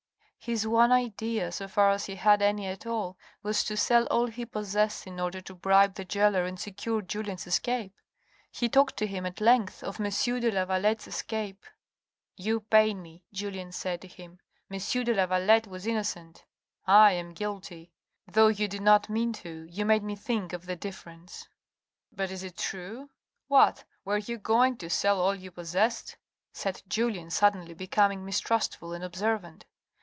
His one idea, so far as he had any at all, was to sell all he possessed in order to bribe the gaoler and secure Julien's escape. He talked to him at length of M. de Lavalette's escape. " You pain me," Julien said to him. " M. de Lavalette was innocent — I am guilty. Though you did not mean to, you made me think of the difference "" But is it true ? What ? were you going to sell all you possessed ?" said Julien, suddenly becoming mistrustful and observant.